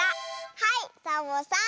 はいサボさん。